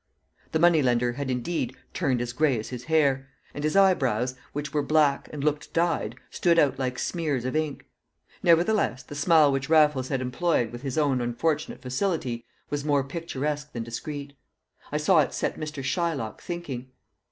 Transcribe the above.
The money lender had, indeed, turned as grey as his hair; and his eyebrows, which were black and looked dyed, stood out like smears of ink. Nevertheless, the simile which Raffles had employed with his own unfortunate facility was more picturesque than discreet. I saw it set Mr. Shylock thinking.